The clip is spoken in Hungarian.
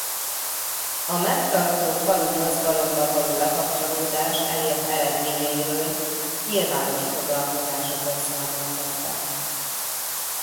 A megtartó falu mozgalomba való bekapcsolódás elért eredményeiről nyilvános foglalkozásokon számoltak be.